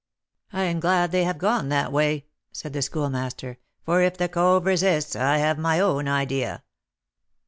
"I am glad they have gone that way," said the Schoolmaster, "for if the 'cove' resists, I have my own idea."